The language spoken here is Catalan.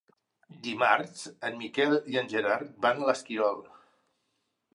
Dimarts en Miquel i en Gerard van a l'Esquirol.